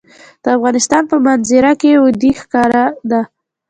د افغانستان په منظره کې وادي ښکاره ده.